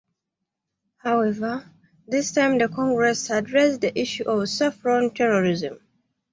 However, this time the Congress had raised the issue of Saffron terrorism.